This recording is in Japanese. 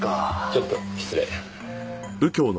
ちょっと失礼。